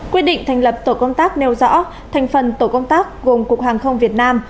quyết định thành lập tổ công tác nêu rõ thành phần tổ công tác gồm cục hàng không việt nam